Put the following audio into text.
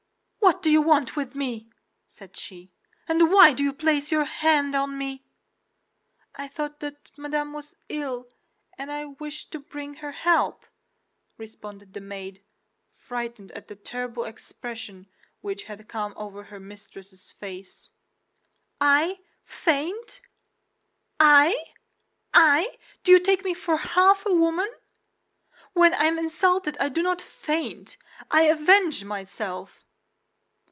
"What do you want with me?" said she, "and why do you place your hand on me?" "I thought that Madame was ill, and I wished to bring her help," responded the maid, frightened at the terrible expression which had come over her mistress's face. "I faint? I? I? Do you take me for half a woman? When I am insulted I do not faint; I avenge myself!"